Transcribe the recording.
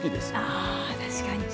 あ確かに。